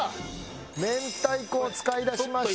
明太子を使いだしました。